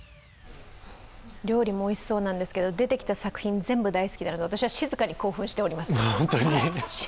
料理もおいしそうなんですけれども、出てきた作品、全部大好きなので、私は静かに興奮しています。